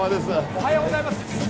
おはようございます